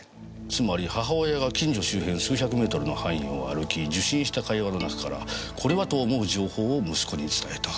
つまり母親が近所周辺数百メートルの範囲を歩き受信した会話の中から「これは！」と思う情報を息子に伝えた。